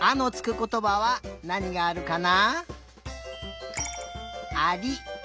ことばはなにがあるかな？